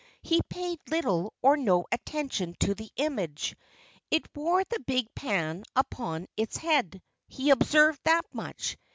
He paid little or no attention to the image. It wore the big pan upon its head he observed that much.